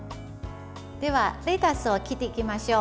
ではレタスを切っていきましょう。